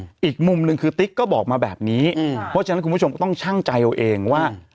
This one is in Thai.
อีกมุมหนึ่งคือติ๊กก็บอกมาแบบนี้เพราะฉะนั้นคุณผู้ชมก็ต้องชั่งใจเอาเองว่า